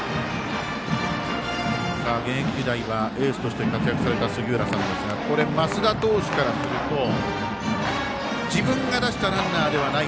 現役時代はエースとして活躍された杉浦さんですがこれ、増田投手からすると自分が出したランナーではない。